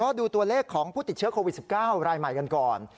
ก็ดูตัวเลขของผู้ติดเชื้อโควิด๑๙รายใหม่กันก่อน